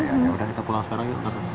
sudah kita pulang sekarang yuk